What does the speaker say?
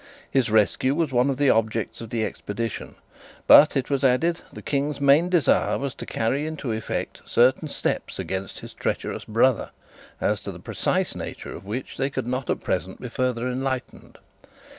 His rescue was one of the objects of the expedition; but, it was added, the King's main desire was to carry into effect certain steps against his treacherous brother, as to the precise nature of which they could not at present be further enlightened.